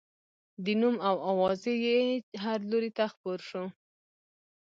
د نوم او اوازې یې هر لوري ته خپور شو.